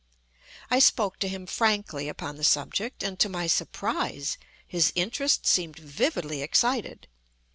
I spoke to him frankly upon the subject; and, to my surprise, his interest seemed vividly excited.